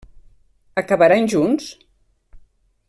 Acabaran junts?